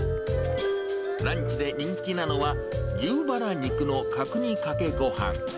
ランチで人気なのは、牛バラ肉の角煮・かけご飯。